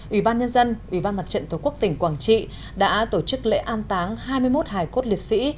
ủy ban nhân dân ủy ban mặt trận tổ quốc tỉnh quảng trị đã tổ chức lễ an táng hai mươi một hải cốt liệt sĩ